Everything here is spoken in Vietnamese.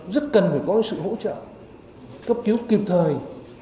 rất cần phải có sự hỗ trợ cấp cứu kịp thời